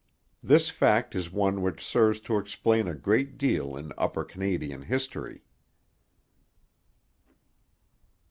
This fact is one which serves to explain a great deal in Upper Canadian history.